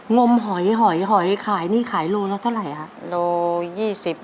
งมหอยหอยหอยขายโลแล้วเท่าไรครับ